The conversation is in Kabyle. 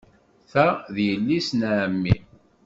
Ta d yelli-s n ɛemmi.